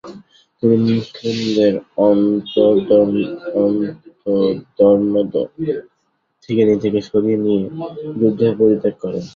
তিনি মুসলিমদের অন্তদ্বর্ন্দ থেকে নিজেকে সরিয়ে নিয়ে যুদ্ধ পরিত্যাগ করেন।